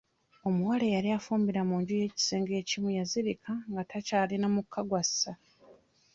Omuwala eyali afumbira mu nju ey'ekisenge ekimu yazirika nga takyalina mukka gw'assa.